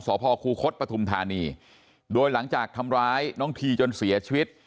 สพคูคศปฐุมธานีโดยหลังจากทำร้ายน้องทีจนเสียชีวิต